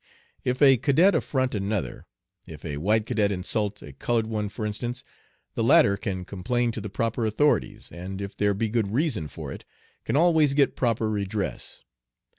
If a cadet affront another, if a white cadet insult a colored one for instance, the latter can complain to The proper authorities, and, if there be good reason for it, can always get proper redress.